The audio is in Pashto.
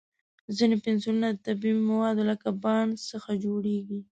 ځینې پنسلونه د طبیعي موادو لکه بانس څخه جوړېږي.